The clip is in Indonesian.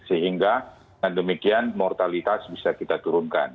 sehingga dengan demikian mortalitas bisa kita turunkan